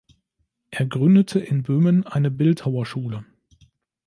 Er gründete in Böhmen eine Bildhauerschule.